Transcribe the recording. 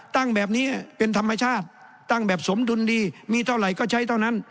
ตั้งแบบนี้เป็นธรรมชาติตั้งแบบสมดุลดีมีเท่าไหร่ก็ใช้เท่านั้น